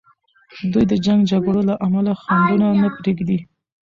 دوی د جنګ جګړو له امله خنډونه نه پریږدي.